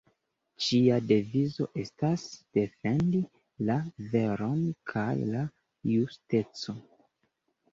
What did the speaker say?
Ĝia devizo estas "Defendi la veron kaj la justeco".